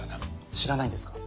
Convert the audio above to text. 知らないんですか？